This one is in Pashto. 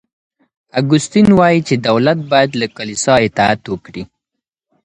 اګوستين وايي چي دولت بايد له کليسا اطاعت وکړي.